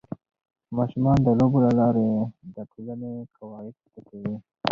ماشومان د لوبو له لارې د ټولنې قواعد زده کوي.